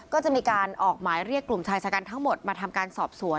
ก็จะมีการออกหมายเรียกกลุ่มชายชะกันทั้งหมดมาทำการสอบสวน